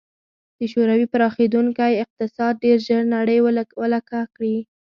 د شوروي پراخېدونکی اقتصاد ډېر ژر نړۍ ولکه کړي